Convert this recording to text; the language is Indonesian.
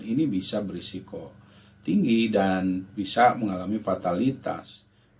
ini bisa berisiko tinggi dan bisa mengalami fatalitas